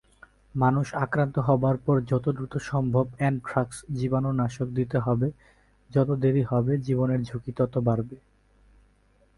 মানুষ আক্রান্ত হবার পর যত দ্রুত সম্ভব অ্যানথ্রাক্স জীবাণুনাশক দিতে হবে, যত দেরি হবে জীবনের ঝুঁকি তত বাড়বে।